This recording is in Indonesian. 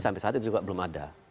sampai saat itu juga belum ada